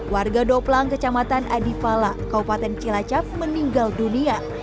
warga doplang kecamatan adi fala kaupaten cilacap meninggal dunia